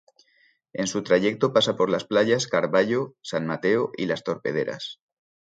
En su trayecto pasa por las playas Carvallo, San Mateo y Las Torpederas.